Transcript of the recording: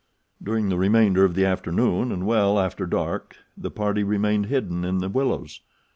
During the remainder of the afternoon and well after dark the party remained hidden in the willows.